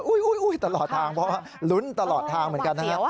ตลอดทางเพราะว่าลุ้นตลอดทางเหมือนกันนะฮะ